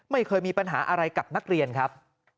ไม่เคยมีปัญหาอะไรกับนักเรียนครับ